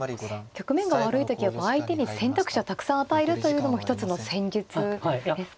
局面が悪い時は相手に選択肢をたくさん与えるというのも一つの戦術ですか。